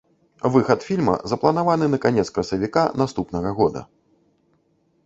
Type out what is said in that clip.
Выхад фільма запланаваны на канец красавіка наступнага года.